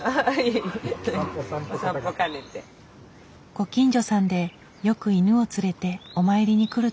ご近所さんでよく犬を連れてお参りに来るという。